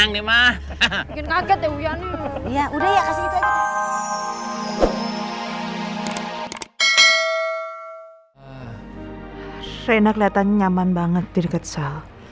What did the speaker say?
wah rena keliatannya nyaman banget di deket sal